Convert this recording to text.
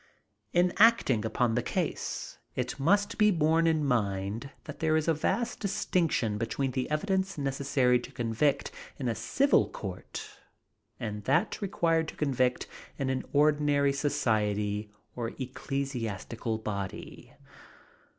In acting upon the case, it must be borne in mind that there is a vast distinction between the evidence necessary to convict in a civil court and that required to convict in an ordinary society or ecclesiastical body.